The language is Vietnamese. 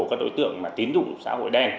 các đối tượng mà tín dụng xã hội đen